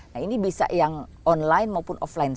nah ini bisa yang online maupun offline